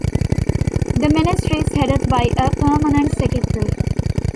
The Ministry is headed by a Permanent Secretary.